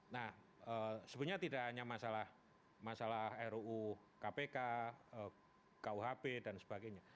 nah sebenarnya tidak hanya masalah ruu kpk kuhp dan sebagainya